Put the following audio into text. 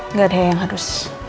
nggak ada yang harus